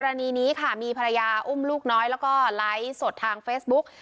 อันนี้ค่ะมีภรรยาอุ้มลูกน้อยแล้วก็ไลฟ์สดทางเฟซบุ๊ก